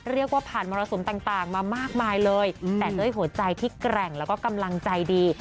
เรียกว่าผ่านมรสุมต่างมามากมายเลยแต่ด้วยหัวใจที่แกร่งแล้วก็กำลังใจดี